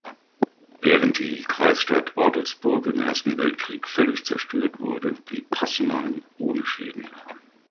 Während die Kreisstadt Ortelsburg im Ersten Weltkrieg völlig zerstört wurde, blieb Passenheim ohne Schäden.